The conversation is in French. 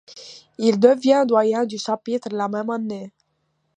Il devient doyen du chapitre la même année.